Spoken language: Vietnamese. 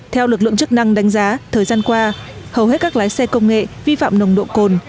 theo lực lượng chức năng đánh giá thời gian qua hầu hết các lái xe công nghệ vi phạm nồng độ cồn